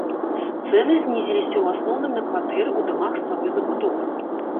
Цэны знізіліся ў асноўным на кватэры ў дамах старой забудовы.